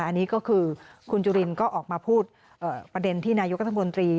อันนี้ก็คือขุนจุรินก็ออกมาพูดประเด็นที่นายกต้อมพลังคบลตี